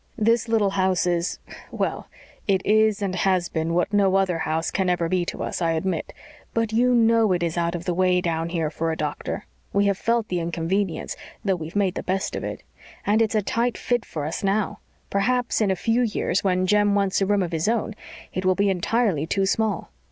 This little house is well, it is and has been what no other house can ever be to us, I admit, but you know it is out of the way down here for a doctor. We have felt the inconvenience, though we've made the best of it. And it's a tight fit for us now. Perhaps, in a few years, when Jem wants a room of his own, it will be entirely too small."